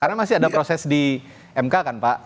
karena masih ada proses di mk kan pak